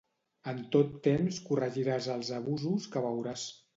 En tot temps corregiràs els abusos que veuràs.